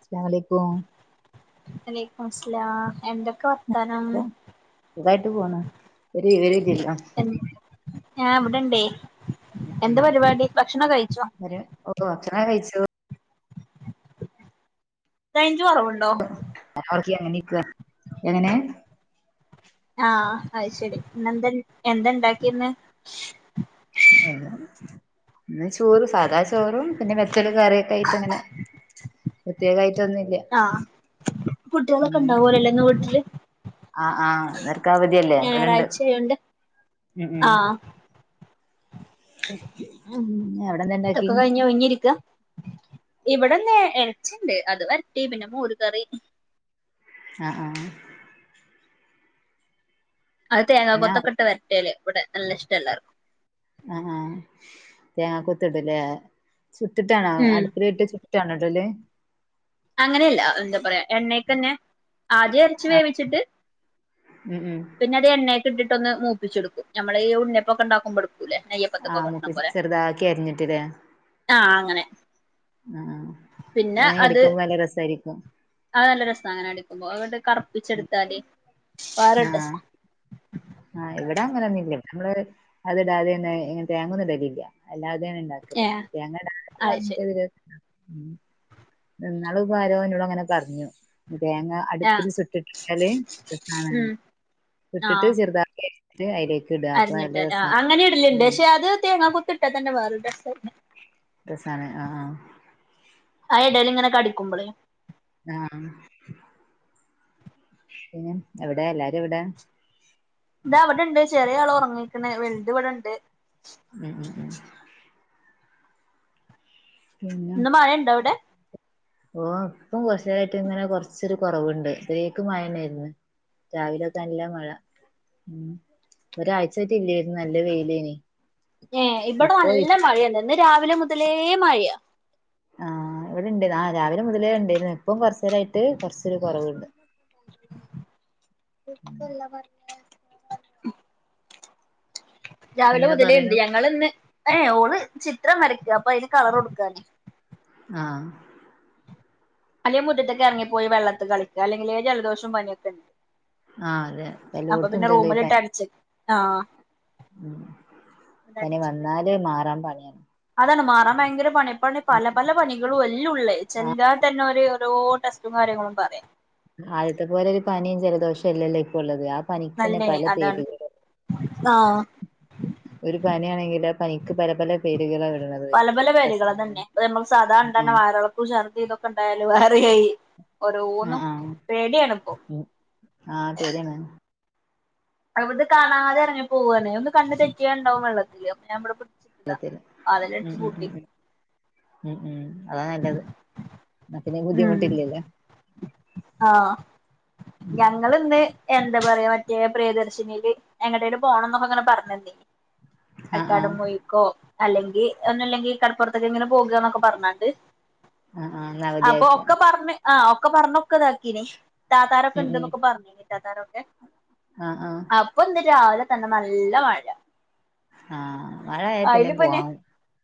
അസ്സലാമു അലൈകും വലൈക്കുമുസ്സലാം എന്തൊക്കെ were a സുഖായിട്ട് പോണു ഒരു ഒരു ഇതില്ല എൻ ഞാൻ ഇവിടെണ്ടേ ഉം ഉം എന്ത പരിപാടി ഭക്ഷണൊക്കെ കഴിച്ചോ? ഒരു ഓ ഓ ഭക്ഷണൊക്കെ കഴിച്ചു റേഞ്ച് കുറവുണ്ടോ? അപ്പോർക്കിയ എണീക്കാ എങ്ങനെ? ആഹ് അയ്ശരി ഇന്നെന്താ എന്താ ഇണ്ടാക്കിന്ന്? അല്ല ഇന്ന് ചോറ് സാദാ ചോറും, പിന്നെ വെത്തല് കയറിയൊക്കെ ആയിട്ട് അങ്ങനെ പ്രത്യേകായിട്ടൊന്നുല്ല്യ ആഹ് കുട്ട്യോളൊക്കെ ണ്ടാവോലല്ലേ ഇന്ന് വീട്ടില്, ആഹ് ആഹ് ഇന്നവർക്ക് അവധി അല്ലേ അവരിവിടെണ്ട് ഞായറാഴ്ചയായോണ്ട് ഉം ഉം ആഹ് ഉം എവ ട്ടൊക്കെ കഴിഞ്ഞു ഒഴിഞ്ഞിരിക്ക ഇവിടെന്ന് എറച്ചിണ്ട് അത് വരട്ടി പിന്നെ മോര് കറി, അ ആഹ് അത് ഞാൻ തേങ്ങാകൊത്തൊക്കെട്ട് വരട്ടിയാല് ഇവടെ നല്ല ഇഷ്ട എല്ലാർക്കും. ആഹാ തേങ്ങാ കൊത്തിടും ല്ലേ ചുട്ടിട്ടാണോ ഉം അടുപ്പിലിട്ട് ചു ട്ടാണോ ഇടല് അങ്ങനെയല്ല എന്താ പറയാ എണ്ണീക്കന്നെ ആദ്യം എറച്ചി ആഹ് വേവിച്ചിട്ട് ഉം ഉം പിന്ന അത് എണ്ണേക്കിട്ടിട്ടൊന്ന് മൂപ്പിച്ചെടുക്കും നമ്മളെ ഈ ഉണ്ണിയപ്പൊക്കെണ്ടാക്കുമ്പൊടു ക്കൂലേ ആഹ് നെയ്യപ്പത്തിക്കൊക്കെ അത് മൂപ്പി പോലെ ചെറുതാക്കി അരിഞ്ഞിട്ട്ല്ലേ ആഹ് അങ്ങനെ ആഹ് പിന്നെ അതിങ്ങനെ അത് കടിക്കുമ്പോ നല്ല രസായിരിക്കും അത് നല്ല രസാ അങ്ങനെ കടിക്കുമ്പോ ഓര കർപ്പിച്ചെടുത്താല് ആഹ് ആഹ് ഇവിടങ്ങനെ തിന്നും ഇവ്ടെ അത്ടാതെന്നെ ഇങ്ങനെ തേങ്ങൊന്നുടലീല്ല്യ അല്ലാതേണ് ഇണ്ടാക്കല് ഏഹ് തേങ്ങടാതെ [unintelligible] അത് ശരി ഉം ഇന്നാളിപ്പോ ആരോ ഇന്നോട് അങ്ങനെ പറഞ്ഞു തേങ്ങ ആഹ് അടുപ്പില് ചുട്ടിട്ടാല് രസാണ്ന്ന് ഉം ചുട്ടിട്ട് ചെറുതാക്കി അരിഞ്ഞിട്ട് അയിലേക്ക് ഇടാ അപ്പൊ നല്ല അരിഞ്ഞിട്ടെലോ രസാ അങ്ങനിടലുണ്ട് ഉം പക്ഷെ അത് തേങ്ങാകൊത്ത് ഇട്ടാ തന്നെ വേറൊരു ടേസ്റ്റ രസാണ് ആഹാ അയെടേലിങ്ങനെ കടിക്കുമ്പളേ ആഹ് പിന്നെ എവിടെ എല്ലാരും എവിടെ ഇതാ ഇവിടെണ്ട് ചെറിയ ആള് ഉറങ്ങിക്ക്ണ് വെലുത് ഇവടെണ്ട്. ഉം ഉം ഉം ഇന്ന് മഴയുണ്ടോവിടെ ഓഹ് ഇപ്പം കൊറച്ചേരായിട്ട് ഇങ്ങനെ കൊറച്ചൊരു കൊറവുണ്ട് ഇത്രേക് മഴണ്ടായിരുന്നു. രാവിലൊക്കെ നല്ല മഴ ഉം ഒരാഴ്ചായിട്ട് ഇല്ലായിരുന്നു നല്ല വെയിലേന് ഏഹ് ഇവിടെ നല്ല മഴേന്ന് ഇന്ന് രാവിലെ മുതലേ മഴയാ ആഹ് ഇവിടെണ്ട് ന രാവിലെ മുതലേ ഉണ്ടെന് ഇപ്പം കൊറച്ചേരായിട്ട് കൊറച്ചൊരു കൊറവുണ്ട്. ഉം രാവിലെ എന്താ മുതലേണ്ട് പറയണു ഞങ്ങളിന്ന് ഏയ് ഓള് ചിത്രം വരയ്ക്ക അപ്പൊ അയിന് കളറൊടുക്കാന് ആഹ് അല്ലെ മുറ്റത്തേക്കെറങ്ങപ്പോയി വെള്ളത്ത് കളിക്ക അല്ലെങ്കിലേ ജലദോഷം പനിയൊക്കെണ്ട്. ആ അതെ അപ്പൊ എല്ലോടത്തും പിന്നെ ഉണ്ടല്ലോ ഈ പനി റൂമിലിട്ടടച്ച് ആഹ് ഉം പനി വന്നാല് മാറാൻ പണിയാണ്. അതാണ് മാറാൻ ഭയങ്കര പണിയാ ഇപ്പാണെങ്കി പല പല പനികളും എല്ലൊം ഉള്ളേ ചെല്ലാ തന്നെ ഓര് ഓരോ ടെസ്റ്റും കാര്യങ്ങളും പറയ ആദ്യത്തെ പോലെ ഒരു പനിയും ജലദോഷല്ലല്ലോ ഇപ്പോ ഉള്ളത് ആ പനിക്കെന്നെ നല്ലേ പല അതാണ് പേരുകള് ആഹ് ഒരു പനിയാണെങ്കിലോ പനിക്ക് പല പല പേരുകളാ ഇവടെ പല പല പേരുകൾ തന്നെ നമ്മക്ക് സാദാ ആ ഇണ്ടാവണ വയറളക്കം ചർദി ഇതൊക്കെ ഉണ്ടായാലും വയർ കയുകി അ ആഹ് ആഹ് ശരിയാണ് അവിത് കാണാതെ എറങ്ങി പോവാണെ ഒന്ന് കണ്ണ് തെറ്റിയാണ്ടാവും വെള്ളത്തില് അപ്പോ ഞാൻ ഇബടെ പുടിച്ച് ത വെള്ളത്തിന് ഉം വാതിലടച്ച് ഉം പൂട്ടി ഉം ഉം ഉം അതാ നല്ലത് ന്നാ പിന്നെ ഉം ബുദ്ധിമുട്ടില്ലല്ലോ ആഹ് ഞാൻ ങ്ങളിന്ന് എന്താ പറയാ മറ്റേ പ്രിയദർശിനിൽ എങ്ങട്ടേലും പോണന്നൊക്കെങ്ങനെ പറഞ്ഞന്നി [inaudible] ആഹ് അക്കാഡം പോയിക്കോ അല്ലെങ്കി ഒന്നുല്ലെങ്കി കടപ്പുറത്ത്ക്കെങ്ങിലും പോകാന്നൊക്കെ പറഞ്ഞ ത് ആഹ് ആഹ് ഇന്ന് അപ്പൊ അവധിയായപ്പോ ഒക്കെ പറണ് ആഹ് ഒക്കെ പറഞ്ഞൊക്കെ ഇതാ അക്കീന് താത്താരൊക്കെ ഉം ഇണ്ട് ഉം എന്നൊക്കെ പറഞ്ഞീഞ് ഇത്താത്താരൊക്കെ ആഹ് ആഹ് അപ്പാ ഇന്ന് രാവിലെ തന്നെ നല്ലാ മഴാ ആഹ് മഴ ആയാ പിന്നെ പോവാൻ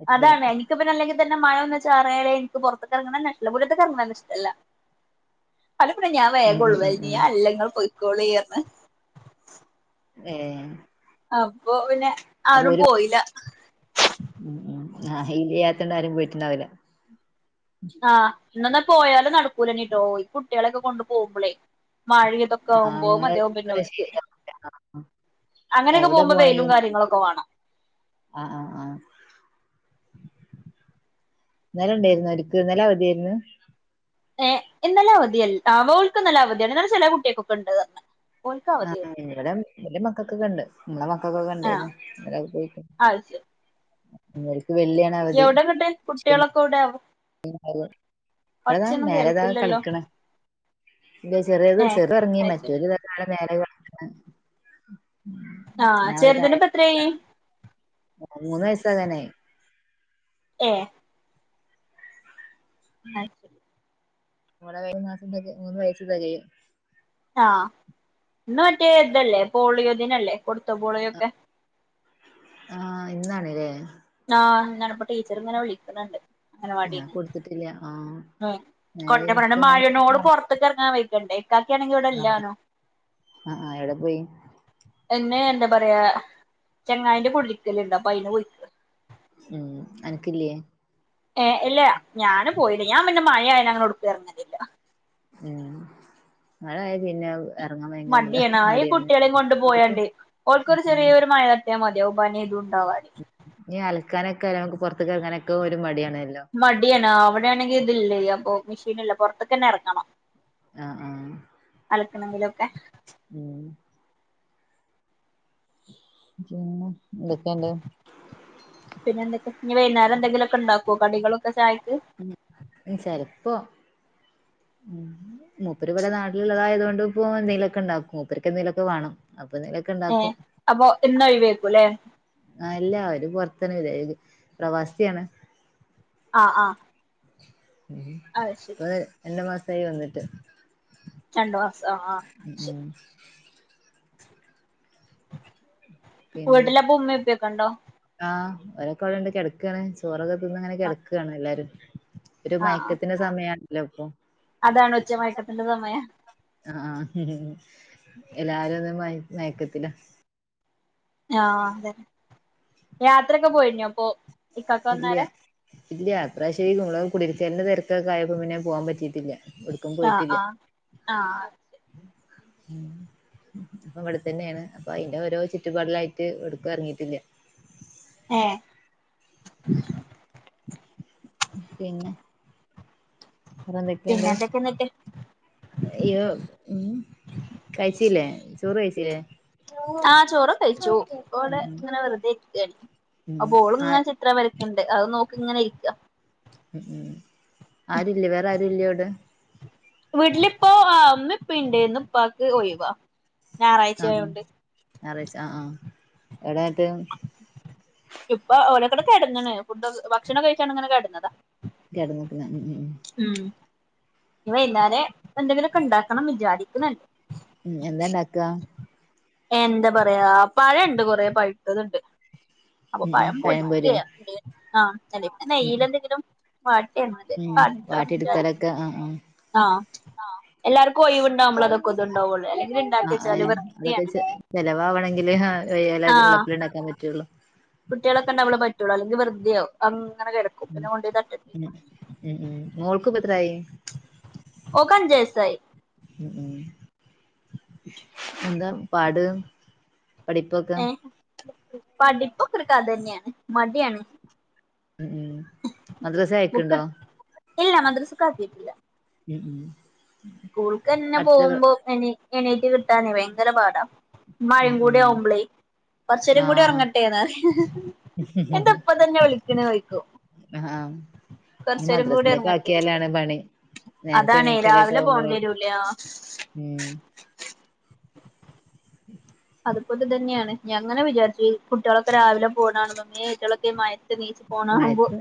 പറ്റുല്ലാ ഇക്ക് പിന്നെ അല്ലെങ്കി തന്നെ മഴ ഒന്ന് ചാറാലേ എനിക്ക് പൊറത്ത് എറങ്ങണന്നേ ഇഷ്ടാല്ലാ മുട്ടത്തക്ക് എറങ്ങന്നെന്നെ ഇഷ്ടല്ല [inaudible] പലാപ്പൊഴെ ഞാൻ ഉം വേഗുളു ഉം [unintelligible] ഉം ഉം അല്ലെങ്കി ഇങ്ങള് പൊയ്ക്കോളിറഞ് ഏഹ് അപ്പൊ പിന്നെ അപ്പൊ ആരും ഒരു പോയില ഉം ഉം ആഹ് [unintelligible] ആരും പോയിട്ടുണ്ടാവൂല ആഹ് ഇന്ന് എന്നെ പോയാലും നടക്കൂല്ലാ എനിട്ടോ ഈ കുടട്ട്യേളൊക്കെ കൊണ്ട് പോമ്പോളേ മാഴെയും ഇതൊക്കെ ആഹ് ആവ്മ്പോ മഴ മതിയാവും പിന്നെ ഓര്ക്ക് ശരിയാവൂല ആഹ് അങ്ങനെക്കെ എവിടെ പോമ്പാം വെയിലും കാര്യങ്ങളും ഓക്കെ വാണം ആഹ ആഹ ആഹ ഇന്നലെ ഇണ്ടോര്ന്നു ഹരിക്ക് ഇന്നലെ അവധിയേര്ന്ന് ഏ ഇന്നലെ അവധിയല് ആഹ ഓള്ക്ക് ഇന്നലെ അവധിയാണ് ന്നലെ ചെലെ കുട്ടിയേകൊക്കെണ്ട് അർഞ് ആഹ ഇവടെ വല്യ മക്കക്ക് ഒക്കണ്ട് ഇമ്മളെ മക്കക്കൊക്കെ ആഹ് ഇണ്ടേയ്ര്ന്ന് എല്ലാരും ചോയിക്കും അത് ഇവല്ക്ക് വെള്ളിയാ എവടെന്നട്ട് കുട്ട്യേളൊക്കെ ഒവുടെ [unintelligible] ഇവടതാ മേലെതാ കേൾക്കില്ലല്ലോ കളിക്ക്ണ് ന്റെ ചെറിയേത് ഏഹ് ചെർത് ഒർങ്ങി അത് ശരി മറ്റോല് താടെ മേലെ കളിക്ക്ണ് ആഹ ചെർതിന് ഇപ്പെത്രായി മൂന്ന് വയസ്സ് ആകാനായി ഏഹ അഹ് ശെരി [unintelligible] മാസം കഴിഞ്ഞ മൂന്ന് വയസ്സ് തെകയും ആഹ ഇന്ന് മറ്റേ ഇതല്ലെ പോളിയോ ദിനല്ലേ കൊട്ത്തോ പോളിയോ ഒക്കെ ആഹ ഇന്നാണ്ലേ ആഹ ന്നാണ്പ്പ ടീച്ചറ് ഇങ്ങനെ വിളിക്ക്ണ് ണ്ട് ഞാൻ കുൾച്ച്ട്ടില്ല ആഹ ന്നലെ ഇന്ക്ക്ങ്ങനെ തൺ ഇജ് എട്ങ്ങേറായിക്കണ്ടേ ഇക്കാകേണങ്കി ഇവടെ ഇല്ലാനും അഹ ആഹ എവടെ പോയി എന്നെ എന്താ പറയാ ചെങ്ങായിന്റെ കുടിര്ക്കല്ണ്ട് അപ്പൊ അയിന് പോയി ഉം അൻക്ക് ഇല്ലേ ഏഹ ഇല്ല ഞാനും പോയിണ് ഞാൻ പിന്നെ മഴയാലങ്ങനെ ഒട്ക്കും എറങ്ങലില്ല ഉം മഴയാ പിന്നെ എറങ്ങാൻ ഭയങ്കര മട മടിയാണ് അ ഈ മടിയാണ് കുട്ട്യളീം കൊണ്ട് അവക്ക് പോയാണ്ട് ഓൽക്കൊര് ഉം ചെറിയൊരു മയ ട്ട്യാ മതിയാവും പനി തുണ്ടാവാന് ഇ അൽക്കാനൊക്കെ ഒരാളെ പൊറത്ത്ക്ക് എർങ്ങാനൊക്കെ ഒര് മടിയാണല്ലോ മടിയണ് ആഹ അവടെ ആണെങ്കി ഇത് ഇല്ലേ അപ്പൊ മിഷീന് ഇല്ല പൊറത്ത്കെന്നെ എറങ്ങണം ആഹ ആഹ അലക്കണങ്കിലൊക്കെ ഉം പിന്നെ എന്തൊക്കെണ്ട് പിന്നെ എന്തൊക്കെ ഇനി വൈന്നേരം എന്തെങ്കിലൊക്കെണ്ടാക്കൊ കടികളോക്കെ ചായക്ക് ചെലപ്പൊ ഉം മൂപ്പര് ഇവടെ നാട്ടിലുള്ളതായോണ്ട് ഇപ്പൊ എന്തേലൊക്കെ ഇണ്ടാക്കും മൂപ്പര്ക്ക് എന്തേലും ഓക്കെ വാണം അപ്പൊ എന്തേലു ഏഹ അപ്പൊ എന്നും ഒഴിവേകുല്ലേ ആല്ലാ അവര് പൊറത്ത് [unintelligible] പ്രവാസി ആണ് അഹ ആഹ ഇപ്പൊര് രണ്ട് മാസായി വന്ന്ട്ട് രണ്ടുമാസോ ആഹ ശെ വീട്ടില് അപ്പൊ ഉമ്മി ഉപ്പിയൊക്കണ്ടോ ആഹ ഓലക്കെഇവ്ടെണ്ട് കെട്ക്കാണ് ചോറൊക്കെതിന്ന്ങ്ങനെ ആഹ് കെട്ക്കാണ് എല്ലാരും ഒരു ആഹ് മയക്കത്തിന്റെ സമയാണല്ലോ ഇപ്പൊ അതാണ് ഉച്ചമയക്കത്തിന്റെ സമയ ആഹ എല്ലാരു ഒന്നു മയ മയക്കത്തിലാ ആഹ് അതെ യാത്ര ഒക്കെ പോയിനോ അപ്പൊ ഇക്കാക്ക ഇല്ല്യ വന്നാരെ ഇല്ല ഇപ്രാവശ്യം കുടിയിരിക്കല്ന്റെ തെരക്കൊക്കെ ആയപ്പം പിന്നെ പോവാൻ പറ്റിയിട്ടില്ല എവിട്ക്കും ആഹ് പോയിട്ടില്ല ആഹ് ആഹ് അപ്പൊ ഇവിടെ തന്നെയാണ് അപ്പൊ അയ്ന്റെ ഓരോ ചുറ്റുപാടിലായിട്ട് എവിടുക്കും എറങ്ങിയിട്ടില്ല ഏഹ് പിന്നെ വേറെ എന്തൊക്കെ ഉണ്ട് പിന്നെന്തൊക്കെ എന്നിട്ട് ഇയ്യോ ഉം കഴിച്ചില്ലേ ചോറ് കഴ്ച്ചില്ലേ ആഹ് ചോറ് ഒക്കെ കഴിച്ചു ഇപ്പ ഉം ഇവടെ ഉം ഇങ്ങനെ വെറുതെ ഇരിക്കാണ് ഉം അപ്പൊ ഓള് ആ ഇങ്ങനെ ചിത്രം വര ഇണ്ട് അത് നോക്കി ഇങ്ങനെ ഇരിക്കാ ഉം ആരും ഇല്ലേ വേറെ ആരും ഇല്ലേ ഇവ്ടെ വീട്ടിലിപ്പോ ആഹ് ഉമ്മയും ഇപ്പയും ഉണ്ടേന്നു ഇന്ന് ഇപ്പാക്ക് ഒഴിവാ ഞായറാഴ്ച ആഹ് ആയോണ്ട് ഞായറാഴ്ച്ച ആഹ് എവിടെ ഇങ്ങട്ട് ഇപ്പ ഓലക്കട് കെടന്ന്ണ് ഫുഡ് ഒക്കെ ഭക്ഷണം കഴിച്ചാണ്ട ഇങ്ങനെ കെടന്നതാ കേട്ന്ന്ക്ക്ണ് ഉം ഉം ഉം ഇന്ന് വൈകുന്നേരം എന്തെങ്കിലും ഒക്കെ ഇണ്ടാക്കണം വിചാരിക്ക്ണ് ഉം എന്താ ഇണ്ടാക്കാ എന്താ പറയാ പഴണ്ട് കൊറെ പഴ്ത്തത്ണ്ട് അപ്പൊ ഉം ഉം പഴം പൊരിക്കെ പഴംപൊരിയോ ആഹ് അല്ലങ്കി നെയ്യ്ല് എന്തെങ്കിലും വാട്ടി തിന്നാ ഉം [unintelligible] വിചാരിക്കുന്നു വാട്ടിയെടുക്കലൊക്കെ ആ ആ ആഹ് എല്ലാർക്കും ഒഴിവുണ്ടാവുമ്പോളെ ഇതൊക്കെ ഒരിത് ഇതുണ്ടാവുള്ളൂ അല്ലെങ്കില് ഇണ്ടാക്കി ആ വെച്ചാല് ഏഹ് വെർ അതൊക്കെ ചെ ചെലവാവണങ്കില് ഇവര് ഉള്ളപ്പൊഴേ ഇണ്ടാക്കാൻ പറ്റുള്ളു കുട്ടികളൊക്കെണ്ടാകുംമ്പോഴേ പറ്റുള്ളൂ അല്ലെങ്കി വേർതെ ആവും അങ്ങനെ കിടക്കും ഉം പിന്നെ കൊണ്ടോയി തട്ടട്ടെ ഉം ഉം മോൾക്ക് ഇപ്പം എത്രയായി ഓൾക്ക് അഞ്ച് വയസായി ഉം ഉം എന്താ പാട് പഠിപ്പൊക്കെ ഏഹ് പഠിപ്പൊക്കെ ഒരു കഥ തന്നെയാണ് മടിയാണ് ഉം മദ്രസയിൽ ബുക്ക് അയക്ക്ണ്ടോ ഇല്ല മദ്രസ്ക്ക് ആക്കിയിട്ടില്ല ഉം സ്കൂള്ക്കന്നെ അടുത്ത പ്ര- പോവുമ്പോ എണി എണീറ്റ് കിട്ടാനെ ഭയങ്കര പാടാ ഉം മഴയും കൂടി ഉം ആവുമ്പളെ കുറച്ച് നേരം കൂടി ഉറങ്ങട്ടെന്ന് പറയും ഉം ഉം ഉം ഇപ്പന്നെ വിളിക്ക്നോയ്ക്കും ഇനി കുറച്ച് നേരം കൂടി മദ്രസിലൊക്കെ ഉറങ്ങട്ടെ ചോയ്ക്കും ആക്കിയാലാണ് പണി. നേരത്തെ അതാണേ എണീക്കലൊക്കെ രാവിലെ ഇപ്പം ആവുമ്പള് വണ്ടി വരൂല്ല ഉം അതുപോലെ ഇതന്നെയാണ് ഞാനിങ്ങനെ വിചാരിച്ചിനി ഈ കുട്ടിയോളൊക്കെ രാവിലെ പോണത് കാണുമ്പോ ഇമ്മേ ഈ മഴത്ത് നീച്ച് പോണത് കാണുമ്പോ മഴത്ത്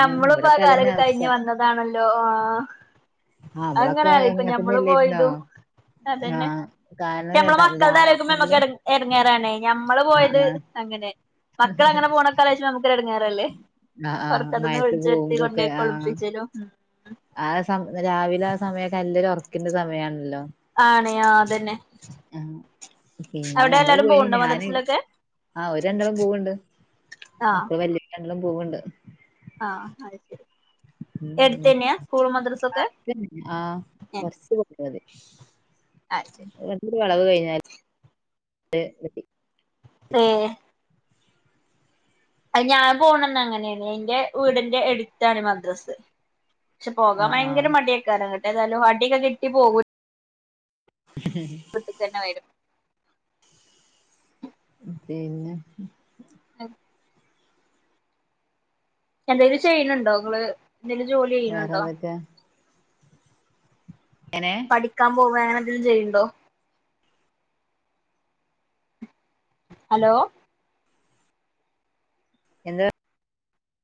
ഉം ഇപ്പോ ആ ഇവിടൊക്കെ അതന്നെ കാലൊക്കെ അവസ്ഥ. കഴിഞ്ഞ് വന്നതാണല്ലോ ആഹ് ആഹ് അത് ഇവളൊക്കെ എങ്ങനെ ഇപ്പൊ അങ്ങനെത്തന്നെ ഞമ്മളും അല്ലായിരുന്നോ? പോയതും അതന്നെ ആഹ് പക്ഷെ കാരണം നമ്മളെ ത രാ മക്കള്തെ ആലോചിക്ക്മ്പൊ നല്ല നമ്മക്ക് ഇടറങ്ങേറാണേ ഞമ്മള് ആഹ് പോയത് ആഹ് അങ്ങനെ മക്കളെ അങ്ങനെ പോണ ഒക്കെ ആലോചിച്ചാ നമുക്ക് ഇടങ്ങേറല്ലേ ആഹ് ആഹ് ഉറക്കത്ത്ന്ന് മഴയത്ത് വിളിച്ചു ഉണർത്തി കൊണ്ട് പോയിക കുളിപ്പിച്ചലും [unintelligible] ആസം രാവിലെ ആസമയൊക്കെ ന്നല്ലരു ഒറക്കിന്റെ സമയണല്ലോ ആണ് ആഹ് അതന്നെ പിന്നെ അവിടെ നമ്മള് എല്ലാരും പോയി പോവ്ണ്ടോ ഞാന് മദ്രസിലൊക്കെ ആഹ് ഒരു രണ്ടളും പോവ്ണ്ട് ആ അപ്പ വല്യിപ്പന്നും പോവ്ണ്ട് ആഹ് അത് ശരി ഉം എടുത്ത ഉം തന്നെയാ സ്കൂൾ മദ്രസൊക്കെ? ആഹ് ഏ കൊറ്ച്ച് [unintelligible] അത് ശരി ഒര് വളവ് കഴിഞ്ഞാൽ ണ്ട് എത്തി ആഹ് അത് ഞാൻ പോണന്ന് അങ്ങനെയാണ് എൻറെ വീടിൻ്റെ എടുത്താണ് മദ്രസ് പക്ഷെ പോകാം ആഹ് ഭയങ്കര ആഹ് മടിയെകാരം ഇങ്ങട്ടെ എന്തായാലും അടിയൊക്കെ കിട്ടി പോകൂ [unintelligible] [unintelligible] പിന്നെ [unintelligible] എന്തേലും ചെയ്യണ് ണ്ടോ ഇങ്ങള് എന്തെലും ജോലി ചെയ്യണ് ണ്ടോ? വേറെന്തൊക്കെ എനെ പഠിക്കാൻ പോവാ അങ്ങെനെ എന്തെലും ചെയ്യ്ണ്ടോ? ഹലോ? എന്താ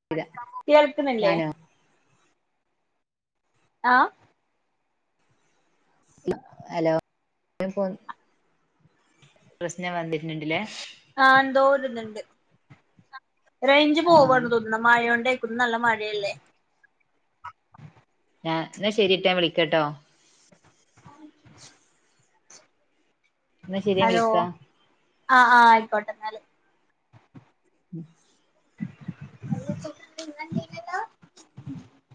പറഞ്ഞില്ല കേൾക്ക്ണില്ലേ? ഞാനോ ആഹ് ഹലോ? [unintelligible] പ്രശ്നം വന്നിട്ണ്ടില്ലേ ആഹ് എന്തോരുത്ണ്ട് റേഞ്ച് ആഹ് പോവാണ് തോന്നുന്നു. ന്ന മയോണ്ട് ര്ക്കും ഇന്ന് നല്ല മഴയല്ലേ ഞാൻ ന്നാ ശെരിട്ടാ ഞാൻ വിളിക്കട്ടോ [unintelligible] എന്നാ ശരി ഞാൻ ഹലോ? വിളിക്കാ ആഹ് ആഹ് ആയിക്കോട്ടെന്നാല് [unintelligible] [inaudible]